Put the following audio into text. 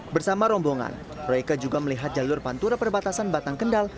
bersama rombongan royke juga melihat jalur pantura perbatasan batang kendal